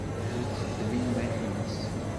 Ad texdem i yiman-nnes.